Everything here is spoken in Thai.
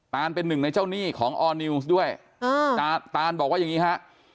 ตานเป็นหนึ่งในเจ้าหนี้ของออร์นิวส์ด้วยตานบอกว่าอย่างนี้ฮะ